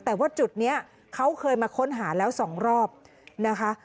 แต่ว่าจุดนี้เขาเคยมาค้นหาแล้วสองรอบนะคะ